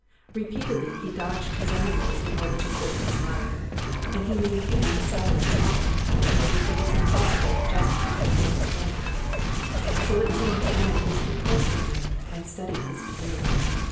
Re peatedly he dodged his enemies in order Cowardice. 5 ' to save his life, and he maintained a silence oftentimes which it was impossible to justify or explain. So it seemed to men who stood close to him and studied his career.